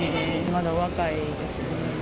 まだお若いですよね。